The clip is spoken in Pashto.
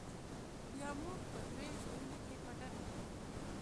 بيا موږ په درېو ځايونو کښې پټن ږدو.